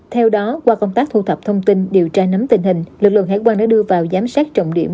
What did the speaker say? theo đó qua công tác thu thập thông tin điều tra nắm tình hình lực lượng hải quan đã đưa vào giám sát trọng điểm